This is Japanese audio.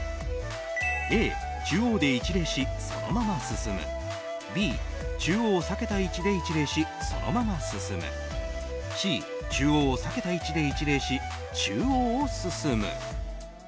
Ａ、中央で一礼し、そのまま進むＢ、中央を避けた位置で一礼しそのまま進むＣ、中央を避けた位置で一礼し中央を進む。